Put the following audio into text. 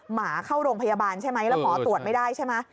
หมาเข้าโรงพยาบาลใช่ไหมแล้วหมอตรวจไม่ได้ใช่ไหม